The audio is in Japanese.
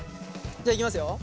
じゃあいきますよ。